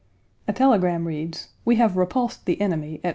A telegram reads: "We have repulsed the enemy at 1.